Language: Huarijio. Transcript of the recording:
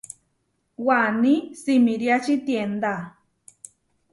Waní simiriači tiendá.